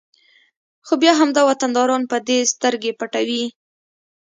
خو بیا همدا وطنداران په دې سترګې پټوي